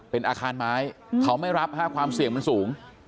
เป็นอาคารไม้เขาไม่รับความเสี่ยงมันสูง